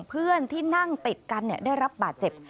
เพื่อนที่นั่งติดกันได้รับบาดเจ็บ